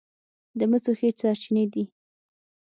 د مسو ښې سرچینې دي.